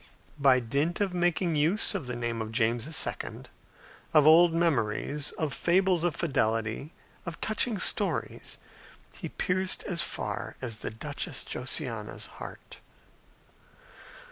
By dint of making use of the name of James II., of old memories, of fables of fidelity, of touching stories, he pierced as far as the Duchess Josiana's heart.